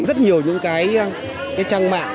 rất nhiều những cái trang mạng